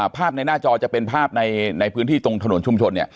ภาพในหน้าจอจะเป็นภาพในพื้นที่ตรงถนนชุมชน